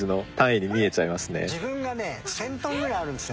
自分がね１０００トンぐらいあるんですよ。